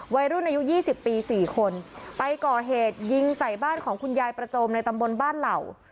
วัยรุ่นอายุ๒๐ปี๔คนไปก่อเหตุยิงใส่บ้านของคุณยายประโจมในตำบลบ้านเหล่า